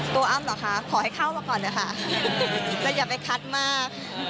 อ้ำเหรอคะขอให้เข้ามาก่อนนะคะก็อย่าไปคัดมาก